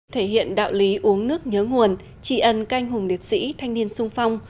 thể hiện đạo lý uống nước nhớ nguồn tri ân canh hùng liệt sĩ thanh niên sung phong